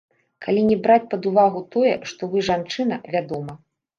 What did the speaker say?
Калі не браць пад увагу тое, што вы жанчына, вядома.